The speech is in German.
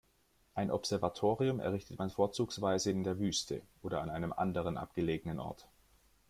Ein Observatorium errichtet man vorzugsweise in der Wüste oder an einem anderen abgelegenen Ort.